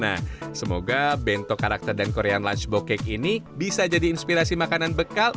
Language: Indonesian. nah semoga bento karakter dan korean lunchbo cake ini bisa jadi inspirasi makanan bekal